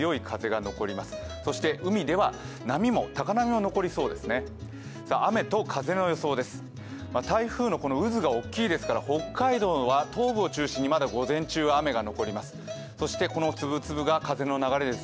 台風の渦が大きいですから、北海道は東部を中心に雨が残ります。